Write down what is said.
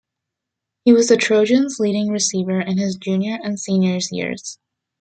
He was the Trojans' leading receiver in his junior and senior years.